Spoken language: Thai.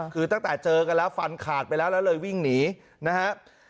คือตั้งแต่เจอกันแล้วฟันขาดไปแล้วแล้วเลยวิ่งหนีนะครับ